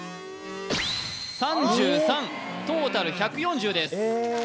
３３トータル１４０ですえ